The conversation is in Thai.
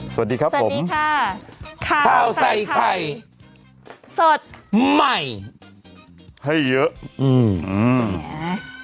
สวัสดีครับผมสวัสดีค่ะข้าวใส่ไข่สดใหม่ให้เยอะอืม